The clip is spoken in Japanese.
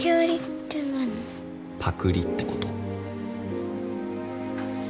パクリってこと。